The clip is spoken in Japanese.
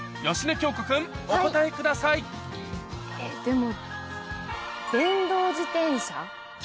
京子君お答えくださいえっでも。